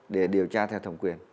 để điều tra theo thẩm quyền